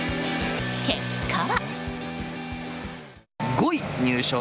結果は。